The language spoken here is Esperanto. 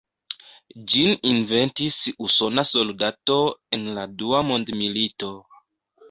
Ĝin inventis usona soldato en la Dua mondmilito.